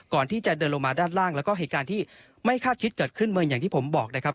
ก่อนที่จะเดินลงมาด้านล่างแล้วก็เหตุการณ์ที่ไม่คาดคิดเกิดขึ้นเหมือนอย่างที่ผมบอกนะครับ